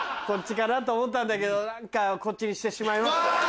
こっちかなと思ったんだけど何かこっちにしてしまいました。